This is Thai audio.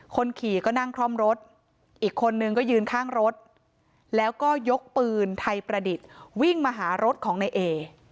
คนขี่ก็นั่งคล่อมรถอีกคนนึงก็ยืนข้างรถแล้วก็ยกปืนไทยประดิษฐ์วิ่งมาหารถของในเอ